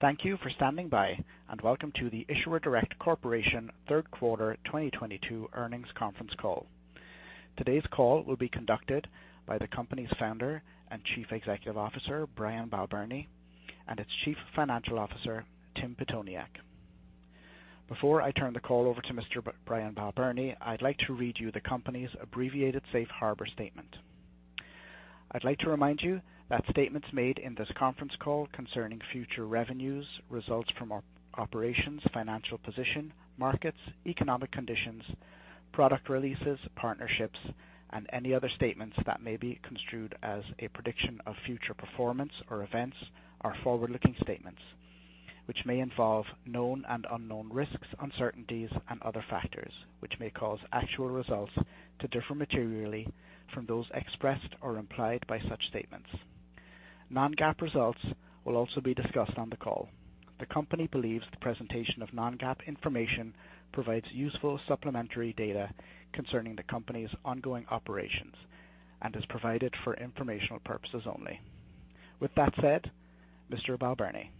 Thank you for standing by, and welcome to the Issuer Direct Corporation third quarter 2022 earnings conference call. Today's call will be conducted by the company's founder and Chief Executive Officer, Brian Balbirnie, and its Chief Financial Officer, Tim Pitoniak. Before I turn the call over to Mr. Brian Balbirnie, I'd like to read you the company's abbreviated safe harbor statement. I'd like to remind you that statements made in this conference call concerning future revenues, results from operations, financial position, markets, economic conditions, product releases, partnerships, and any other statements that may be construed as a prediction of future performance or events are forward-looking statements, which may involve known and unknown risks, uncertainties and other factors, which may cause actual results to differ materially from those expressed or implied by such statements. Non-GAAP results will also be discussed on the call. The company believes the presentation of non-GAAP information provides useful supplementary data concerning the company's ongoing operations, and is provided for informational purposes only. With that said, Mr. Balbirnie.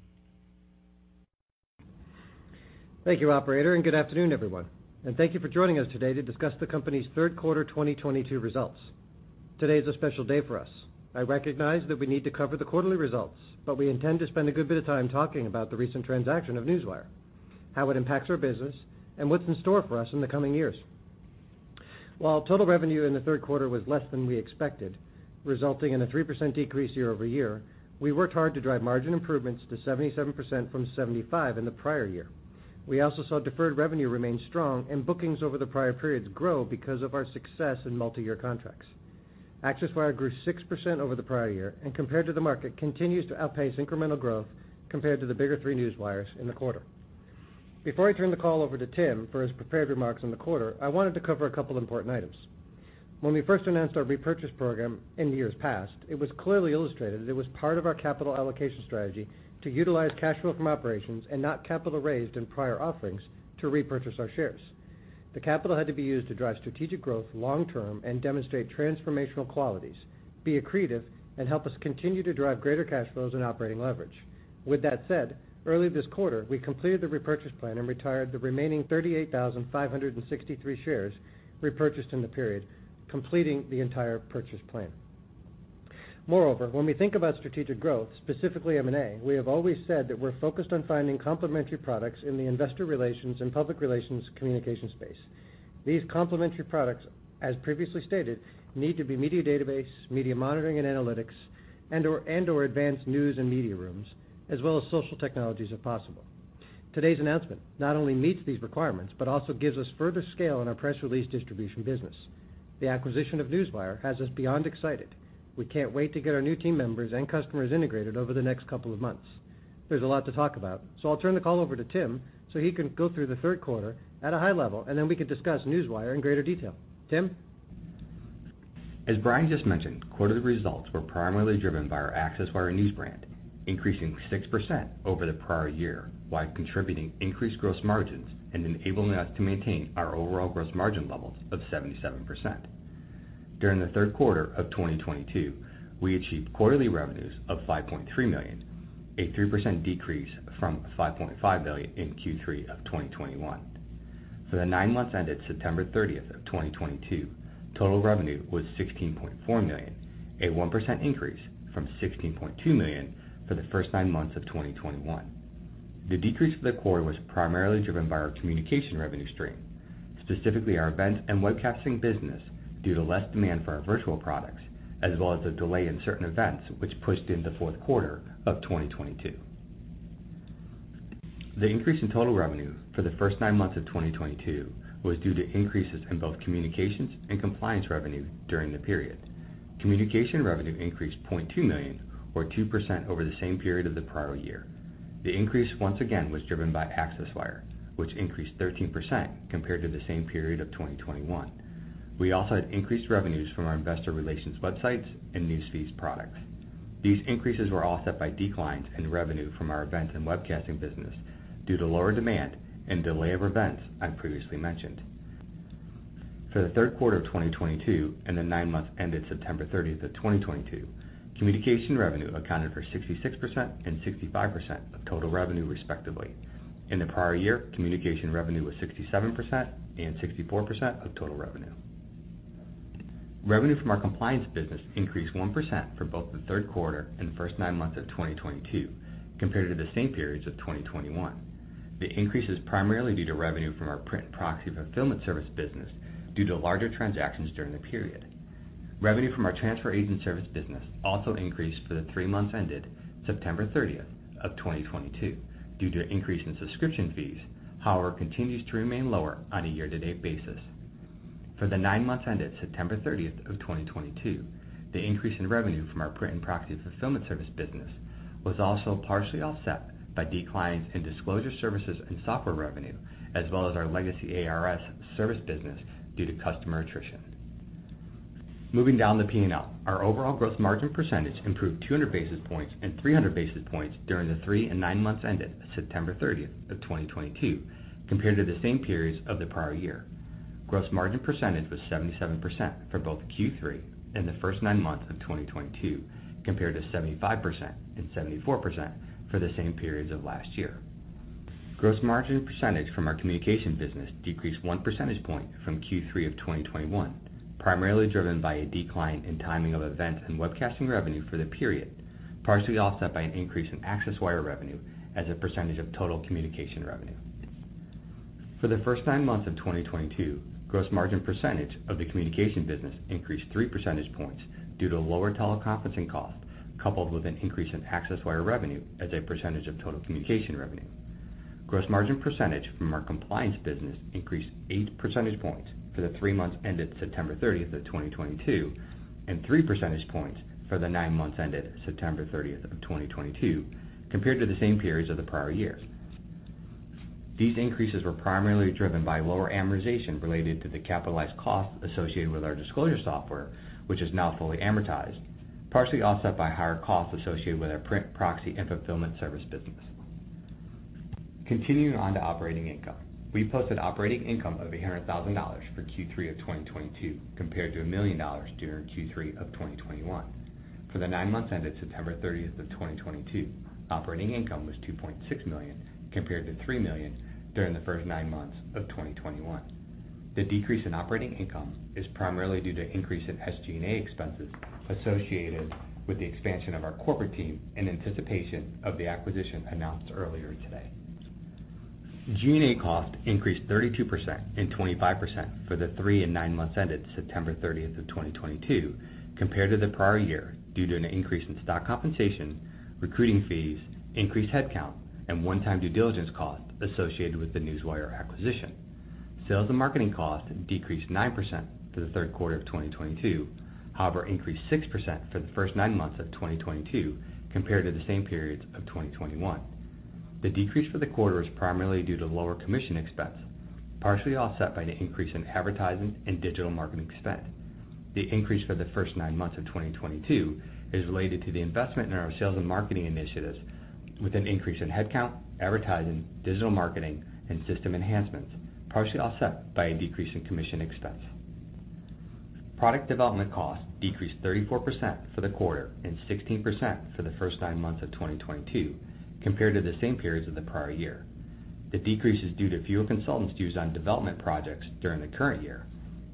Thank you operator, and good afternoon, everyone, and thank you for joining us today to discuss the company's third quarter 2022 results. Today is a special day for us. I recognize that we need to cover the quarterly results, but we intend to spend a good bit of time talking about the recent transaction of Newswire, how it impacts our business, and what's in store for us in the coming years. While total revenue in the third quarter was less than we expected, resulting in a 3% decrease year-over-year, we worked hard to drive margin improvements to 77% from 75% in the prior year. We also saw deferred revenue remain strong and bookings over the prior periods grow because of our success in multi-year contracts. AccessWire grew 6% over the prior year, and compared to the market, continues to outpace incremental growth compared to the bigger three newswires in the quarter. Before I turn the call over to Tim for his prepared remarks on the quarter, I wanted to cover a couple important items. When we first announced our repurchase program in years past, it was clearly illustrated that it was part of our capital allocation strategy to utilize cash flow from operations and not capital raised in prior offerings to repurchase our shares. The capital had to be used to drive strategic growth long-term and demonstrate transformational qualities, be accretive and help us continue to drive greater cash flows and operating leverage. With that said, early this quarter, we completed the repurchase plan and retired the remaining 38,563 shares repurchased in the period, completing the entire purchase plan. Moreover, when we think about strategic growth, specifically M&A, we have always said that we're focused on finding complementary products in the investor relations and public relations communications space. These complementary products, as previously stated, need to be media database, media monitoring and analytics, and/or advanced news and media rooms, as well as social technologies, if possible. Today's announcement not only meets these requirements, but also gives us further scale in our press release distribution business. The acquisition of Newswire has us beyond excited. We can't wait to get our new team members and customers integrated over the next couple of months. There's a lot to talk about, so I'll turn the call over to Tim, so he can go through the third quarter at a high level, and then we can discuss Newswire in greater detail. Tim. As Brian just mentioned, quarterly results were primarily driven by our AccessWire news brand, increasing 6% over the prior year, while contributing increased gross margins and enabling us to maintain our overall gross margin levels of 77%. During the third quarter of 2022, we achieved quarterly revenues of $5.3 million, a 3% decrease from $5.5 million in Q3 of 2021. For the nine months ended September 30th, 2022, total revenue was $16.4 million, a 1% increase from $16.2 million for the first nine months of 2021. The decrease for the quarter was primarily driven by our communication revenue stream, specifically our events and webcasting business, due to less demand for our virtual products, as well as the delay in certain events which pushed in the fourth quarter of 2022. The increase in total revenue for the first nine months of 2022 was due to increases in both communications and compliance revenue during the period. Communications revenue increased $0.2 million or 2% over the same period of the prior year. The increase once again was driven by AccessWire, which increased 13% compared to the same period of 2021. We also had increased revenues from our investor relations websites and Newsfeeds products. These increases were offset by declines in revenue from our events and webcasting business due to lower demand and delay of events I previously mentioned. For the third quarter of 2022 and the nine months ended September 30th of 2022, communications revenue accounted for 66% and 65% of total revenue, respectively. In the prior year, communications revenue was 67% and 64% of total revenue. Revenue from our compliance business increased 1% for both the third quarter and first nine months of 2022 compared to the same periods of 2021. The increase is primarily due to revenue from our print proxy fulfillment service business due to larger transactions during the period. Revenue from our transfer agent service business also increased for the three months ended September 30th, 2022 due to an increase in subscription fees, however, continues to remain lower on a year-to-date basis. For the nine months ended September 30th, 2022, the increase in revenue from our print and proxy fulfillment service business was also partially offset by declines in disclosure services and software revenue, as well as our legacy ARS service business due to customer attrition. Moving down the P&L, our overall gross margin percentage improved 200 basis points and 300 basis points during the three and nine months ended September 30th, 2022 compared to the same periods of the prior year. Gross margin percentage was 77% for both Q3 and the first nine months of 2022, compared to 75% and 74% for the same periods of last year. Gross margin percentage from our communication business decreased 1 percentage point from Q3 of 2021, primarily driven by a decline in timing of events and webcasting revenue for the period, partially offset by an increase in AccessWire revenue as a percentage of total communication revenue. For the first nine months of 2022, gross margin percentage of the communication business increased 3 percentage points due to lower teleconferencing costs, coupled with an increase in AccessWire revenue as a percentage of total communication revenue. Gross margin percentage from our compliance business increased 8 percentage points for the three months ended September 30th, 2022, and 3 percentage points for the nine months ended September 30th, 2022, compared to the same periods of the prior year. These increases were primarily driven by lower amortization related to the capitalized costs associated with our disclosure software, which is now fully amortized, partially offset by higher costs associated with our print, proxy, and fulfillment service business. Continuing on to operating income. We posted operating income of $800,000 for Q3 of 2022, compared to $1 million during Q3 of 2021. For the nine months ended September 30th, 2022, operating income was $2.6 million, compared to $3 million during the first nine months of 2021. The decrease in operating income is primarily due to increase in SG&A expenses associated with the expansion of our corporate team in anticipation of the acquisition announced earlier today. G&A costs increased 32% and 25% for the three and nine months ended September 30th, 2022, compared to the prior year due to an increase in stock compensation, recruiting fees, increased headcount, and one-time due diligence costs associated with the Newswire acquisition. Sales and marketing costs decreased 9% for the third quarter of 2022, however, increased 6% for the first nine months of 2022 compared to the same periods of 2021. The decrease for the quarter was primarily due to lower commission expense, partially offset by an increase in advertising and digital marketing spend. The increase for the first nine months of 2022 is related to the investment in our sales and marketing initiatives with an increase in headcount, advertising, digital marketing, and system enhancements, partially offset by a decrease in commission expense. Product development costs decreased 34% for the quarter and 16% for the first nine months of 2022 compared to the same periods of the prior year. The decrease is due to fewer consultants used on development projects during the current year,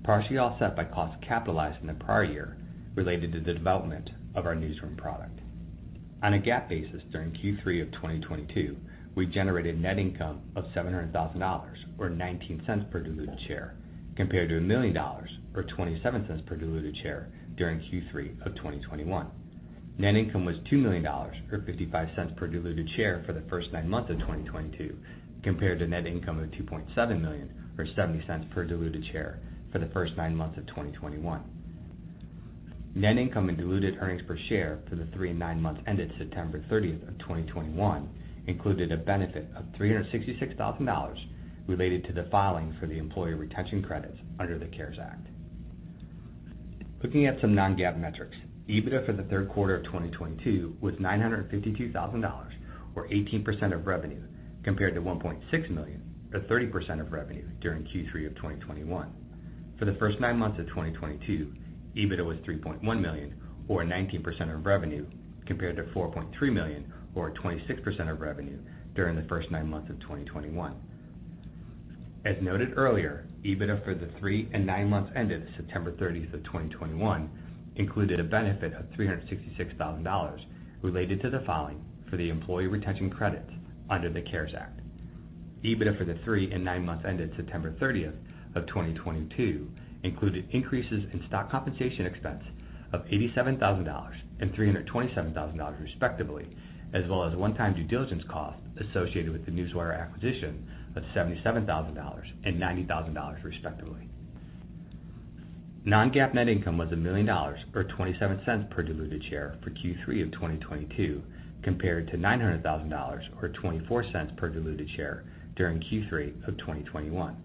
partially offset by costs capitalized in the prior year related to the development of our newsroom product. On a GAAP basis during Q3 of 2022, we generated net income of $700,000 or $0.19 per diluted share, compared to $1 million or $0.27 per diluted share during Q3 of 2021. Net income was $2 million or $0.55 per diluted share for the first nine months of 2022, compared to net income of $2.7 million or $0.70 per diluted share for the first nine months of 2021. Net income and diluted earnings per share for the three and nine months ended September 30th, 2021 included a benefit of $366,000 related to the filing for the employee retention credits under the CARES Act. Looking at some non-GAAP metrics, EBITDA for the third quarter of 2022 was $952,000 or 18% of revenue, compared to $1.6 million or 30% of revenue during Q3 of 2021. For the first nine months of 2022, EBITDA was $3.1 million or 19% of revenue, compared to $4.3 million or 26% of revenue during the first nine months of 2021. As noted earlier, EBITDA for the three and nine months ended September 30, 2021 included a benefit of $366,000 related to the filing for the employee retention credits under the CARES Act. EBITDA for the three and nine months ended September 30th, 2022 included increases in stock compensation expense of $87,000 and $327,000, respectively, as well as one-time due diligence costs associated with the Newswire acquisition of $77,000 and $90,000, respectively. Non-GAAP net income was $1 million or $0.27 per diluted share for Q3 of 2022, compared to $900,000 or $0.24 per diluted share during Q3 of 2021.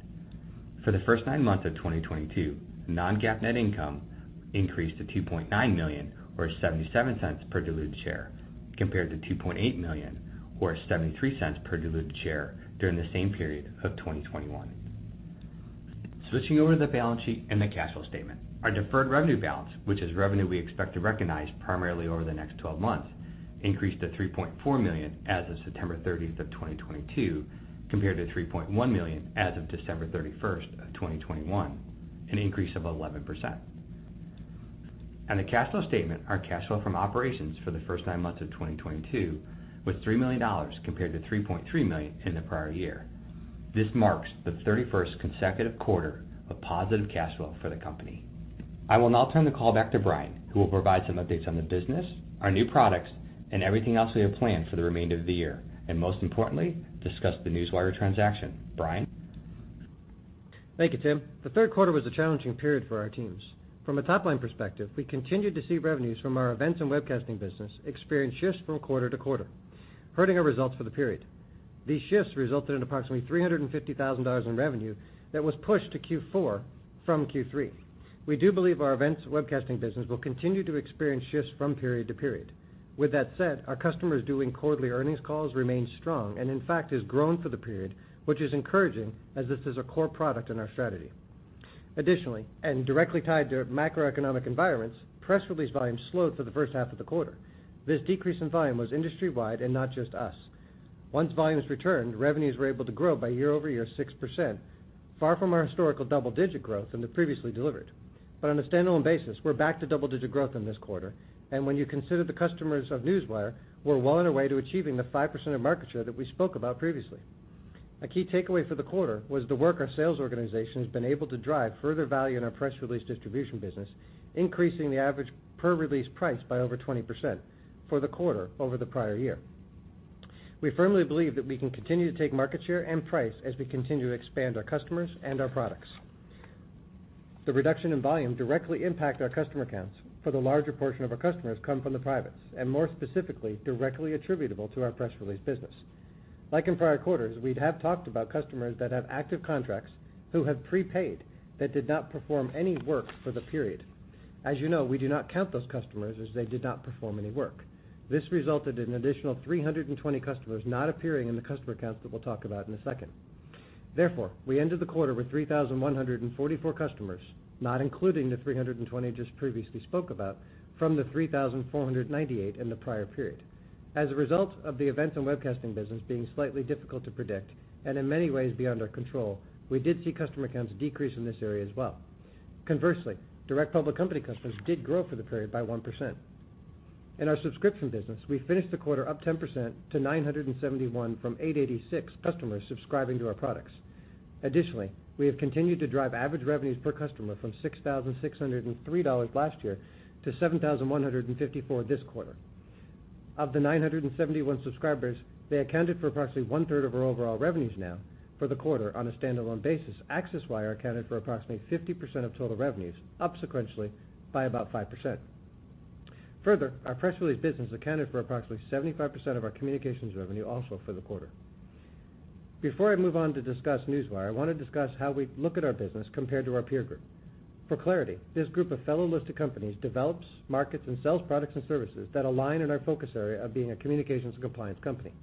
For the first nine months of 2022, non-GAAP net income increased to $2.9 million or $0.77 per diluted share, compared to $2.8 million or $0.73 per diluted share during the same period of 2021. Switching over to the balance sheet and the cash flow statement. Our deferred revenue balance, which is revenue we expect to recognize primarily over the next 12 months, increased to $3.4 million as of September 30th, 2022, compared to $3.1 million as of December 31st, 2021, an increase of 11%. On the cash flow statement, our cash flow from operations for the first nine months of 2022 was $3 million compared to $3.3 million in the prior year. This marks the 31st consecutive quarter of positive cash flow for the company. I will now turn the call back to Brian, who will provide some updates on the business, our new products, and everything else we have planned for the remainder of the year, and most importantly, discuss the Newswire transaction. Brian? Thank you, Tim. The third quarter was a challenging period for our teams. From a top-line perspective, we continued to see revenues from our events and webcasting business experience shifts from quarter to quarter, hurting our results for the period. These shifts resulted in approximately $350,000 in revenue that was pushed to Q4 from Q3. We do believe our events webcasting business will continue to experience shifts from period to period. With that said, our customers doing quarterly earnings calls remain strong and in fact has grown for the period, which is encouraging as this is a core product in our strategy. Additionally, and directly tied to macroeconomic environments, press release volume slowed for the first half of the quarter. This decrease in volume was industry-wide and not just us. Once volumes returned, revenues were able to grow year-over-year 6%, far from our historical double-digit growth in the previously delivered. On a standalone basis, we're back to double-digit growth in this quarter, and when you consider the customers of Newswire, we're well on our way to achieving the 5% of market share that we spoke about previously. A key takeaway for the quarter was the work our sales organization has been able to drive further value in our press release distribution business, increasing the average per-release price by over 20% for the quarter over the prior year. We firmly believe that we can continue to take market share and price as we continue to expand our customers and our products. The reduction in volume directly impact our customer counts for the larger portion of our customers come from the privates, and more specifically, directly attributable to our press release business. Like in prior quarters, we have talked about customers that have active contracts who have prepaid that did not perform any work for the period. As you know, we do not count those customers as they did not perform any work. This resulted in additional 320 customers not appearing in the customer counts that we'll talk about in a second. Therefore, we ended the quarter with 3,144 customers, not including the 320 I just previously spoke about from the 3,498 in the prior period. As a result of the events and webcasting business being slightly difficult to predict and in many ways beyond our control, we did see customer accounts decrease in this area as well. Conversely, direct public company customers did grow for the period by 1%. In our subscription business, we finished the quarter up 10% to 971 from 886 customers subscribing to our products. Additionally, we have continued to drive average revenues per customer from $6,603 last year to $7,154 this quarter. Of the 971 subscribers, they accounted for approximately 1/3 of our overall revenues now for the quarter on a standalone basis. AccessWire are accounted for approximately 50% of total revenues, up sequentially by about 5%. Further, our press release business accounted for approximately 75% of our communications revenue also for the quarter. Before I move on to discuss Newswire, I want to discuss how we look at our business compared to our peer group. For clarity, this group of fellow listed companies develops, markets, and sells products and services that align in our focus area of being a communications and compliance company.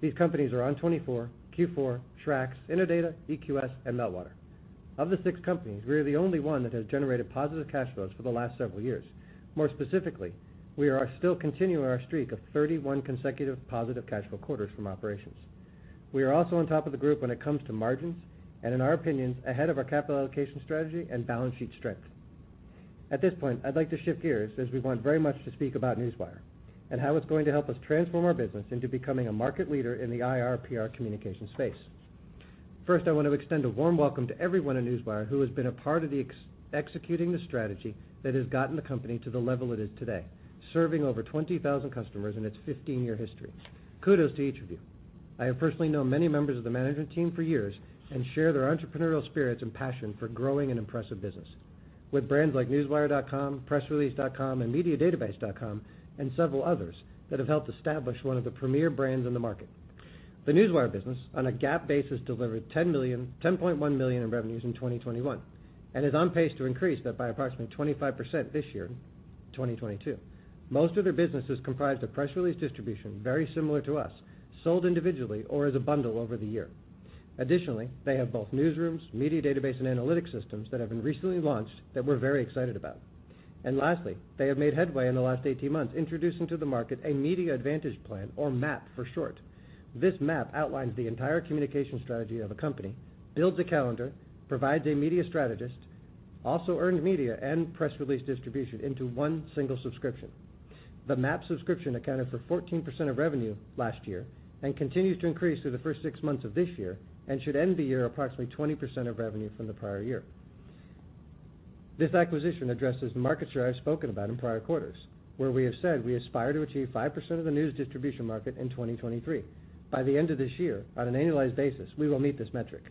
These companies are ON24, Q4, Trax, Innodata, EQS, and Meltwater. Of the six companies, we are the only one that has generated positive cash flows for the last several years. More specifically, we are still continuing our streak of 31 consecutive positive cash flow quarters from operations. We are also on top of the group when it comes to margins, and in our opinions, ahead of our capital allocation strategy and balance sheet strength. At this point, I'd like to shift gears as we want very much to speak about Newswire and how it's going to help us transform our business into becoming a market leader in the IR/PR communication space. First, I want to extend a warm welcome to everyone in Newswire who has been a part of executing the strategy that has gotten the company to the level it is today, serving over 20,000 customers in its 15-year history. Kudos to each of you. I have personally known many members of the management team for years and share their entrepreneurial spirits and passion for growing an impressive business. With brands like Newswire.com, PressRelease.com, and mediadatabase.com, and several others that have helped establish one of the premier brands in the market. The Newswire business, on a GAAP basis, delivered $10.1 million in revenues in 2021, and is on pace to increase that by approximately 25% this year, 2022. Most of their business is comprised of press release distribution, very similar to us, sold individually or as a bundle over the year. Additionally, they have both newsrooms, media database, and analytics systems that have been recently launched that we're very excited about. Lastly, they have made headway in the last 18 months, introducing to the market a Media Advantage Plan, or MAP for short. This MAP outlines the entire communication strategy of a company, builds a calendar, provides a media strategist, also earned media, and press release distribution into one single subscription. The MAP subscription accounted for 14% of revenue last year, and continues to increase through the first six months of this year, and should end the year approximately 20% of revenue from the prior year. This acquisition addresses the market share I've spoken about in prior quarters, where we have said we aspire to achieve 5% of the news distribution market in 2023. By the end of this year, on an annualized basis, we will meet this metric.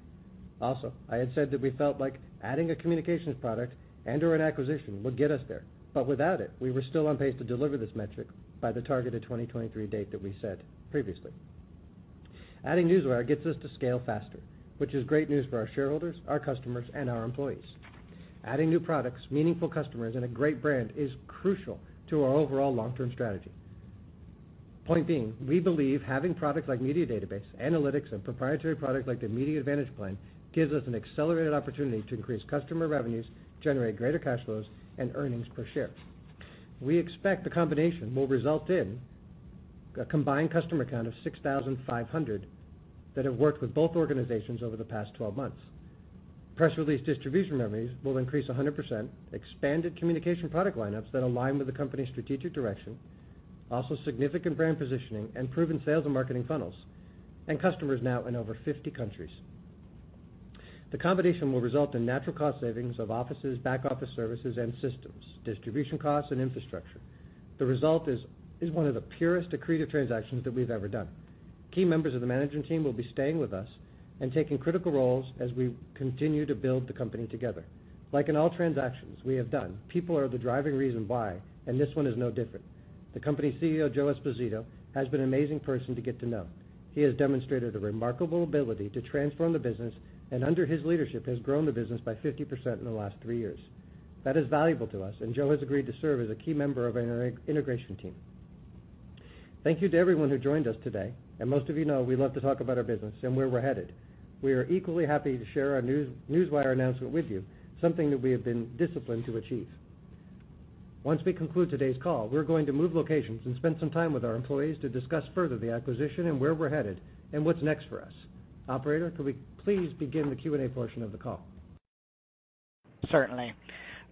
Also, I had said that we felt like adding a communications product and/or an acquisition would get us there, but without it, we were still on pace to deliver this metric by the targeted 2023 date that we set previously. Adding Newswire gets us to scale faster, which is great news for our shareholders, our customers, and our employees. Adding new products, meaningful customers, and a great brand is crucial to our overall long-term strategy. Point being, we believe having products like media database, analytics, and proprietary product like the Media Advantage Plan gives us an accelerated opportunity to increase customer revenues, generate greater cash flows, and earnings per share. We expect the combination will result in a combined customer count of 6,500 that have worked with both organizations over the past 12 months. Press release distribution revenues will increase 100%, expanded communication product lineups that align with the company's strategic direction, also significant brand positioning, and proven sales and marketing funnels, and customers now in over 50 countries. The combination will result in natural cost savings of offices, back-office services, and systems, distribution costs, and infrastructure. The result is one of the purest accretive transactions that we've ever done. Key members of the management team will be staying with us and taking critical roles as we continue to build the company together. Like in all transactions we have done, people are the driving reason why, and this one is no different. The company's CEO, Joe Esposito, has been an amazing person to get to know. He has demonstrated a remarkable ability to transform the business, and under his leadership, has grown the business by 50% in the last three years. That is valuable to us, and Joe has agreed to serve as a key member of our integration team. Thank you to everyone who joined us today. Most of you know we love to talk about our business and where we're headed. We are equally happy to share our Newswire announcement with you, something that we have been disciplined to achieve. Once we conclude today's call, we're going to move locations and spend some time with our employees to discuss further the acquisition and where we're headed and what's next for us. Operator, could we please begin the Q&A portion of the call? Certainly.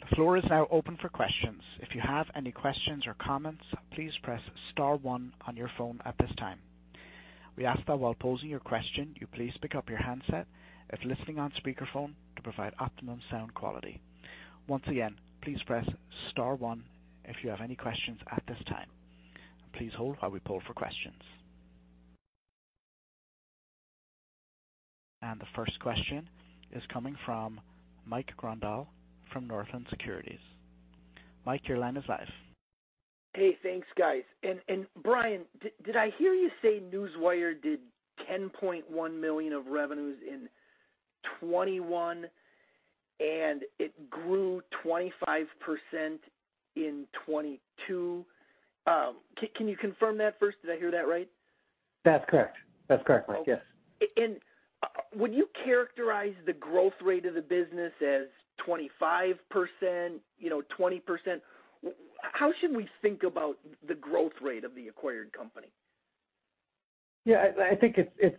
The floor is now open for questions. If you have any questions or comments, please press star one on your phone at this time. We ask that while posing your question, you please pick up your handset if listening on speakerphone to provide optimum sound quality. Once again, please press star one if you have any questions at this time. Please hold while we poll for questions. The first question is coming from Mike Grondahl from Northland Securities. Mike, your line is live. Hey, thanks, guys. Brian, did I hear you say Newswire did $10.1 million of revenues in 2021 and it grew 25% in 2022? Can you confirm that first? Did I hear that right? That's correct, Mike. Yes. Would you characterize the growth rate of the business as 25%, you know, 20%? How should we think about the growth rate of the acquired company? Yeah, I think it's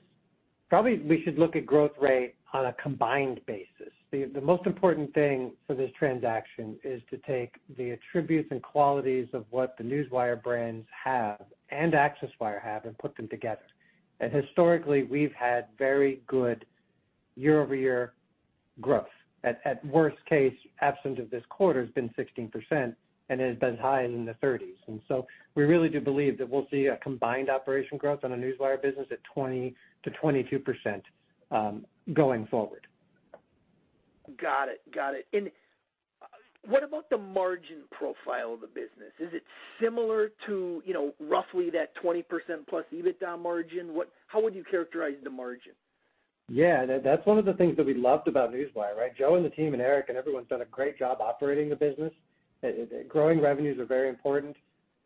probably we should look at growth rate on a combined basis. The most important thing for this transaction is to take the attributes and qualities of what the Newswire brands have and AccessWire have and put them together. Historically, we've had very good year-over-year growth. At worst case, absent of this quarter, has been 16%, and it has been high in the 30s. We really do believe that we'll see a combined operation growth on the Newswire business at 20%-22%, going forward. Got it. What about the margin profile of the business? Is it similar to, you know, roughly that 20%+ EBITDA margin? How would you characterize the margin? Yeah, that's one of the things that we loved about Newswire, right? Joe and the team and Eric and everyone's done a great job operating the business. Growing revenues are very important,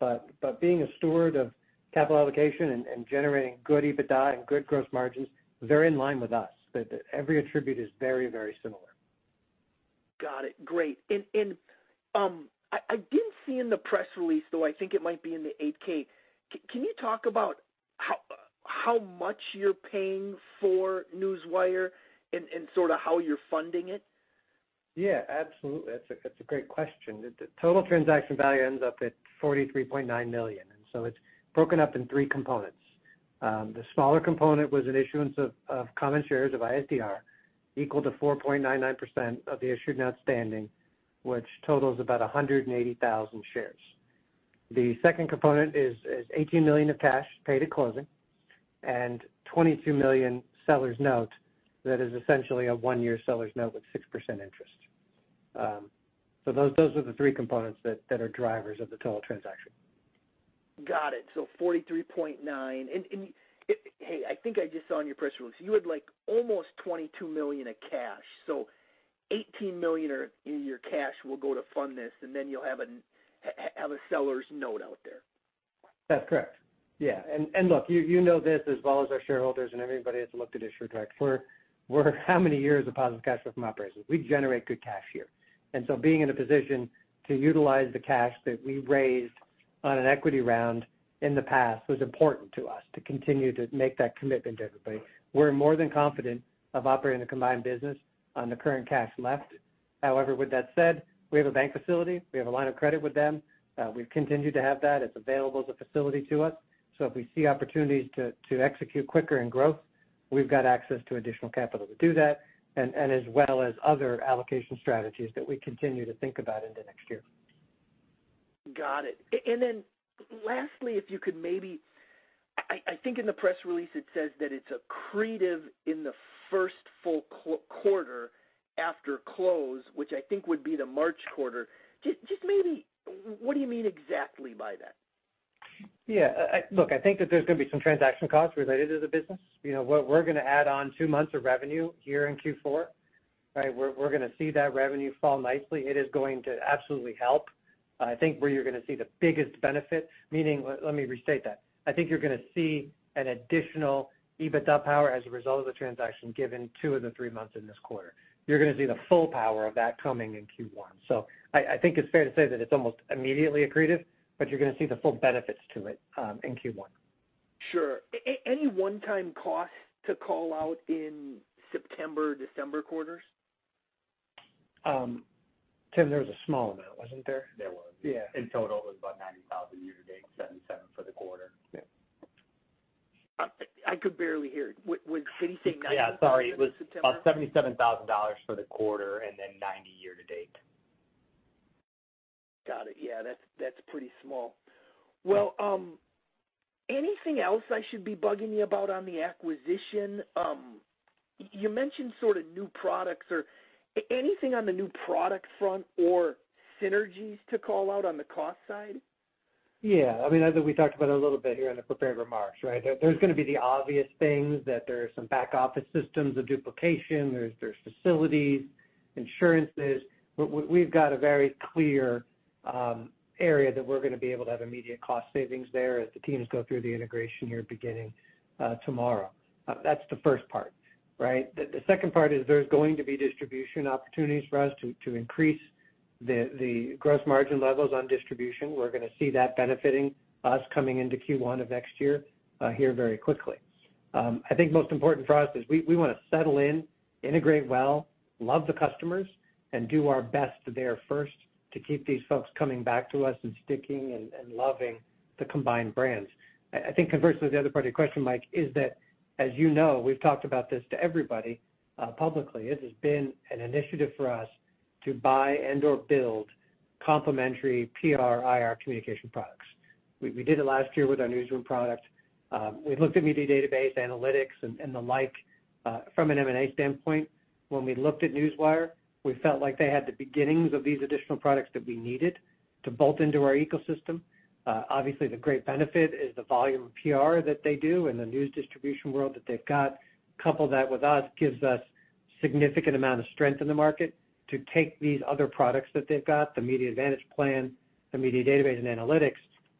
but being a steward of capital allocation and generating good EBITDA and good gross margins, they're in line with us. Every attribute is very, very similar. Got it. Great. I didn't see in the press release, though I think it might be in the 8-K. Can you talk about how much you're paying for Newswire and sort of how you're funding it? Yeah, absolutely. That's a great question. The total transaction value ends up at $43.9 million, and so it's broken up in three components. The smaller component was an issuance of common shares of ISDR equal to 4.99% of the issued and outstanding, which totals about 180,000 shares. The second component is eighteen million of cash paid at closing and $22 million seller's note. That is essentially a 1-year seller's note with 6% interest. Those are the three components that are drivers of the total transaction. Got it. 43.9. Hey, I think I just saw in your press release, you had, like, almost $22 million of cash. $18 million in your cash will go to fund this, and then you'll have a seller's note out there. That's correct. Yeah. Look, you know this as well as our shareholders and everybody that's looked at Issuer Direct. We're how many years of positive cash flow from operations? We generate good cash here. Being in a position to utilize the cash that we raised on an equity round in the past was important to us to continue to make that commitment to everybody. We're more than confident of operating the combined business on the current cash left. However, with that said, we have a bank facility. We have a line of credit with them. We've continued to have that. It's available as a facility to us. If we see opportunities to execute quicker in growth, we've got access to additional capital to do that and as well as other allocation strategies that we continue to think about into next year. Got it. Lastly, if you could maybe. I think in the press release it says that it's accretive in the first full quarter after close, which I think would be the March quarter. Just maybe, what do you mean exactly by that? Yeah. Look, I think that there's gonna be some transaction costs related to the business. You know, we're gonna add on two months of revenue here in Q4, right? We're gonna see that revenue fall nicely. It is going to absolutely help. I think where you're gonna see the biggest benefit. Let me restate that. I think you're gonna see an additional EBITDA power as a result of the transaction given two of the three months in this quarter. You're gonna see the full power of that coming in Q1. I think it's fair to say that it's almost immediately accretive, but you're gonna see the full benefits to it in Q1. Sure. Any one-time cost to call out in September, December quarters? Tim, there was a small amount, wasn't there? There was. Yeah. In total, it was about $90,000 year to date, $77,000 for the quarter. Yeah. I could barely hear it. What? Did he say 90,000? Yeah, sorry. It was about $77,000 for the quarter and then $90,000 year to date. Got it. Yeah, that's pretty small. Well, anything else I should be bugging you about on the acquisition? You mentioned sort of new products or anything on the new product front or synergies to call out on the cost side? Yeah. I mean, as we talked about a little bit here in the prepared remarks, right? There's gonna be the obvious things that there are some back-office systems of duplication, facilities, insurances. We've got a very clear area that we're gonna be able to have immediate cost savings there as the teams go through the integration here beginning tomorrow. That's the first part, right? The second part is there's going to be distribution opportunities for us to increase the gross margin levels on distribution. We're gonna see that benefiting us coming into Q1 of next year here very quickly. I think most important for us is we wanna settle in, integrate well, love the customers, and do our best there first to keep these folks coming back to us and sticking and loving the combined brands. I think conversely, the other part of your question, Mike, is that, as you know, we've talked about this to everybody, publicly. It has been an initiative for us to buy and/or build complementary PR, IR communication products. We did it last year with our newsroom product. We looked at media database analytics and the like, from an M&A standpoint. When we looked at Newswire, we felt like they had the beginnings of these additional products that we needed to bolt into our ecosystem. Obviously, the great benefit is the volume of PR that they do and the news distribution world that they've got. Couple that with us, gives us significant amount of strength in the market to take these other products that they've got, the Media Advantage Plan, the media database and analytics,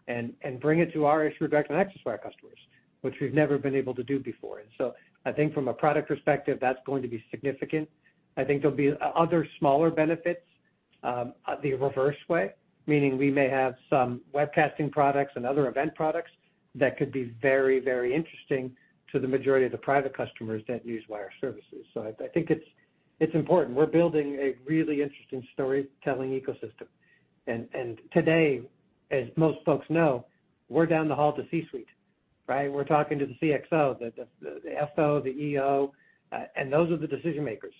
and bring it to our Issuer Direct and AccessWire customers, which we've never been able to do before. I think from a product perspective, that's going to be significant. I think there'll be other smaller benefits, the reverse way, meaning we may have some webcasting products and other event products that could be very, very interesting to the majority of the private customers that use wire services. I think it's important. We're building a really interesting storytelling ecosystem. Today, as most folks know, we're down the hall at the C-suite, right? We're talking to the CXO, the FO, the EO, and those are the decision makers.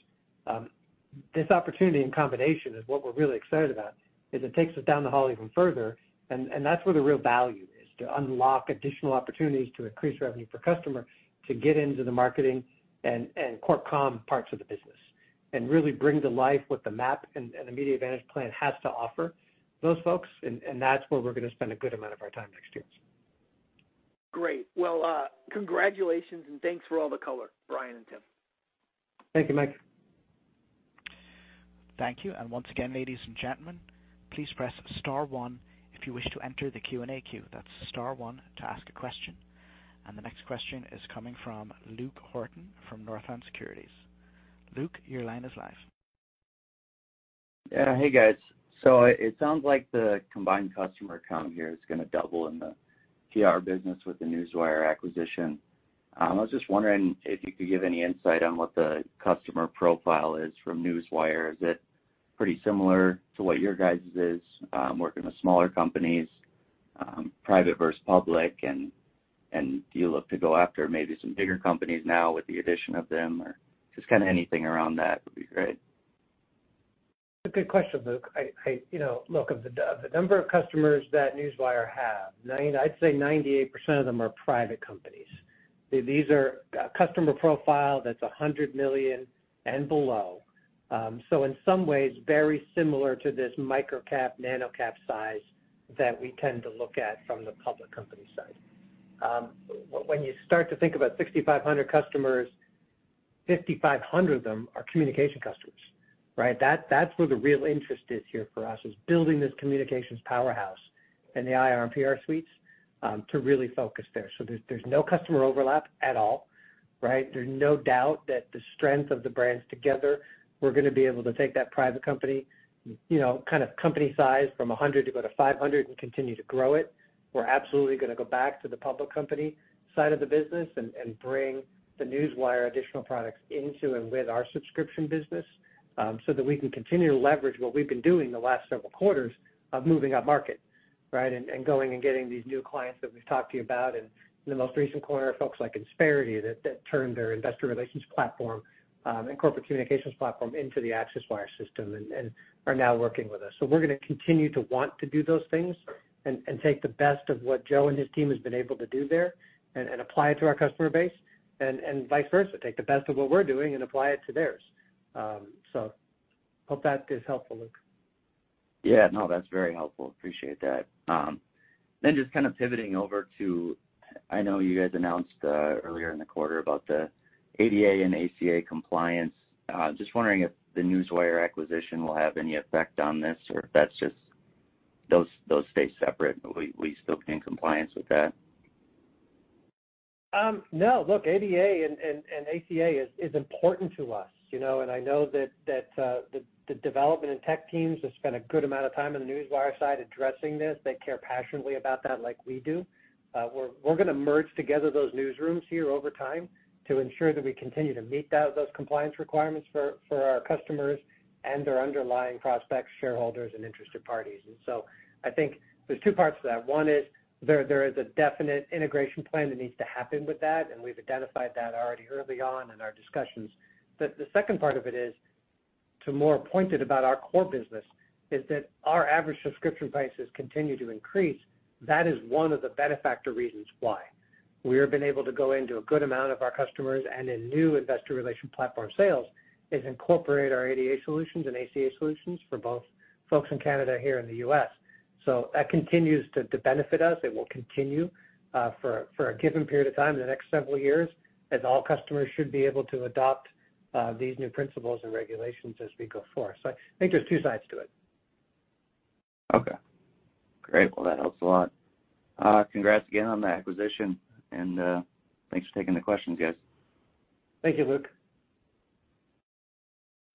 This opportunity in combination is what we're really excited about, is that it takes us down the hall even further, and that's where the real value is, to unlock additional opportunities to increase revenue per customer, to get into the marketing and corp comm parts of the business and really bring to life what the MAP and the Media Advantage Plan has to offer those folks. That's where we're gonna spend a good amount of our time next year. Great. Well, congratulations and thanks for all the color, Brian and Tim. Thank you, Mike. Thank you. Once again, ladies and gentlemen, please press star one if you wish to enter the Q&A queue. That's star one to ask a question. The next question is coming from Luke Horton from Northland Securities. Luke, your line is live. Yeah. Hey, guys. It sounds like the combined customer count here is gonna double in the PR business with the Newswire acquisition. I was just wondering if you could give any insight on what the customer profile is from Newswire. Is it pretty similar to what your guys' is, working with smaller companies, private versus public? Do you look to go after maybe some bigger companies now with the addition of them? Just kinda anything around that would be great. It's a good question, Luke. You know, look, of the number of customers that Newswire have, I'd say 98% of them are private companies. These are a customer profile that's 100 million and below. In some ways very similar to this microcap, nanocap size that we tend to look at from the public company side. When you start to think about 6,500 customers, 5,500 of them are communication customers, right? That's where the real interest is here for us, is building this communications powerhouse in the IR and PR suites, to really focus there. There's no customer overlap at all, right? There's no doubt that the strength of the brands together, we're gonna be able to take that private company, you know, kind of company size from 100 to go to 500 and continue to grow it. We're absolutely gonna go back to the public company side of the business and bring the Newswire additional products into and with our subscription business, so that we can continue to leverage what we've been doing the last several quarters of moving upmarket, right, and going and getting these new clients that we've talked to you about. In the most recent quarter, folks like Insperity that turned their investor relations platform and corporate communications platform into the AccessWire system and are now working with us. We're gonna continue to want to do those things and take the best of what Joe and his team has been able to do there and apply it to our customer base and vice versa, take the best of what we're doing and apply it to theirs. Hope that is helpful, Luke. Yeah, no, that's very helpful. Appreciate that. Just kind of pivoting over to, I know you guys announced earlier in the quarter about the ADA and ACA compliance. Just wondering if the Newswire acquisition will have any effect on this or if that's just those stay separate. We still in compliance with that? No. Look, ADA and ACA is important to us, you know? I know that the development and tech teams have spent a good amount of time on the Newswire side addressing this. They care passionately about that like we do. We're gonna merge together those newsrooms here over time to ensure that we continue to meet those compliance requirements for our customers and their underlying prospects, shareholders, and interested parties. I think there's two parts to that. One is there is a definite integration plan that needs to happen with that, and we've identified that already early on in our discussions. The second part of it is, to more pointed about our core business, is that our average subscription prices continue to increase. That is one of the benefactor reasons why. We have been able to go into a good amount of our customers and in new investor relations platform sales, to incorporate our ADA solutions and ACA solutions for both folks in Canada and here in the U.S. That continues to benefit us. It will continue for a given period of time in the next several years as all customers should be able to adopt these new principles and regulations as we go forward. I think there's two sides to it. Okay. Great. Well, that helps a lot. Congrats again on the acquisition and, thanks for taking the questions, guys. Thank you, Luke.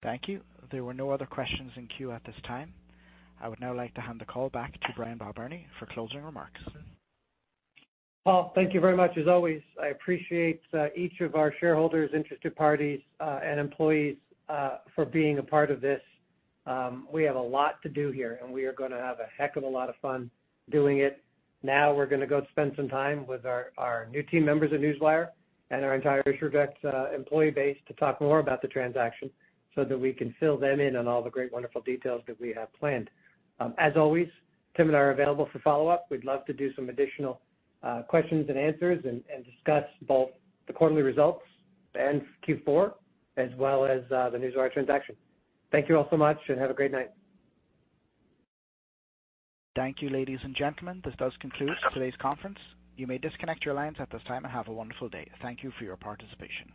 Thank you. There were no other questions in queue at this time. I would now like to hand the call back to Brian Balbirnie for closing remarks. Well, thank you very much as always. I appreciate each of our shareholders, interested parties, and employees for being a part of this. We have a lot to do here, and we are gonna have a heck of a lot of fun doing it. Now we're gonna go spend some time with our new team members at Newswire and our entire Issuer Direct employee base to talk more about the transaction so that we can fill them in on all the great, wonderful details that we have planned. As always, Tim and I are available for follow-up. We'd love to do some additional questions and answers and discuss both the quarterly results and Q4 as well as the Newswire transaction. Thank you all so much and have a great night. Thank you, ladies and gentlemen. This does conclude today's conference. You may disconnect your lines at this time and have a wonderful day. Thank you for your participation.